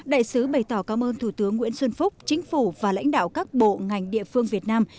đại sứ bày tỏ cảm ơn thủ tướng nguyễn xuân phúc chính phủ và lãnh đạo các bộ ngành địa phương việt nam